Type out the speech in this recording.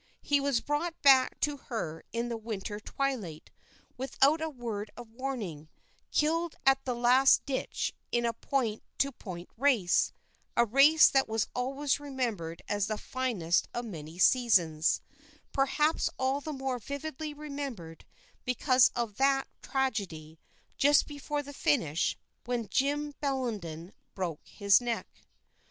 He was brought back to her in the winter twilight, without a word of warning, killed at the last ditch in a point to point race, a race that was always remembered as the finest of many seasons; perhaps all the more vividly remembered because of that tragedy just before the finish, when Jim Bellenden broke his neck.